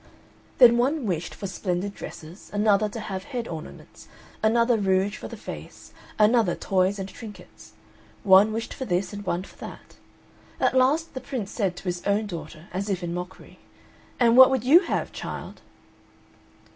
Then one wished for splendid dresses, another to have head ornaments, another rouge for the face, another toys and trinkets: one wished for this and one for that. At last the Prince said to his own daughter, as if in mockery, "And what would you have, child?"